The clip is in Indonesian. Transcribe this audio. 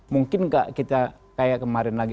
mungkin kita kayak kemarin lagi